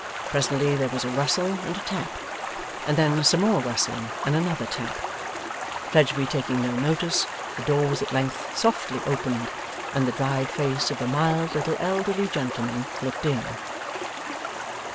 Presently there was a rustle and a tap, and then some more rustling and another tap. Fledgeby taking no notice, the door was at length softly opened, and the dried face of a mild little elderly gentleman looked in.